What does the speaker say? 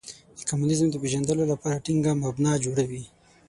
د کمونیزم د پېژندلو لپاره ټینګه مبنا جوړوي.